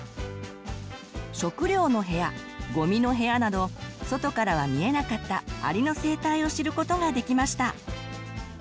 「しょくりょうのへや」「ごみのへや」など外からは見えなかったアリの生態を知ることができました。